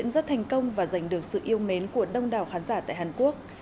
rất thành công và giành được sự yêu mến của đông đảo khán giả tại hàn quốc